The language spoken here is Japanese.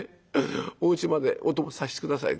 おうちまでお供させて下さい」。